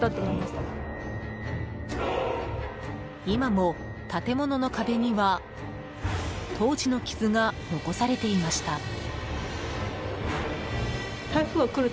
今も建物の壁には当時の傷が残されていました。